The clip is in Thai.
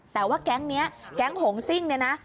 แต่ว่าแก๊งนี้แก๊งหงซิ่งเนี่ยนะ